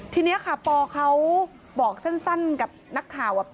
ทีนี้ค่ะปอเขาบอกสั้นกับนักข่าวว่า